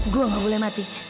gue nggak boleh mati